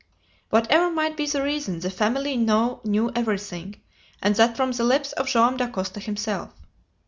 Whatever might be the reason, the family now knew everything, and that from the lips of Joam Dacosta himself.